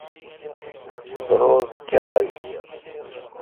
روز کیرا این۔